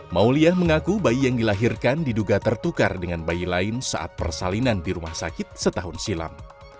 mauliah mengaku bayi yang dilahirkan diduga tertukar dengan bayi lain saat persalinan di rumah sakit setahun silam